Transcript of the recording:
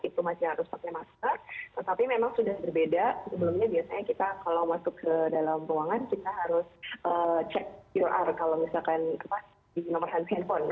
itu masih harus pakai masker tetapi memang sudah berbeda sebelumnya biasanya kita kalau masuk ke dalam ruangan kita harus cek qr kalau misalkan di nomor handphone